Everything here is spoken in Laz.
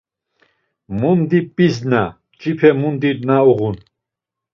Mundi p̌izna, mç̌ipe mundi na uğun.